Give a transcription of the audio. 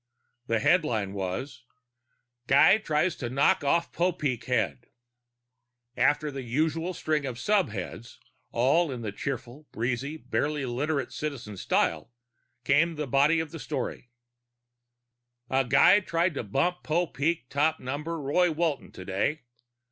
The headline was: GUY TRIES TO KNOCK OFF POPEEK HEAD After the usual string of subheads, all in the cheerful, breezy, barely literate Citizen style, came the body of the story: _A guy tried to bump Popeek top number Roy Walton today.